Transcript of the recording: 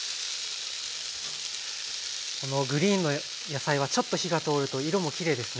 このグリーンの野菜はちょっと火が通ると色もきれいですね。